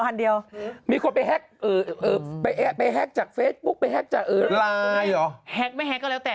ซื้อมวชลหรือจะอะไร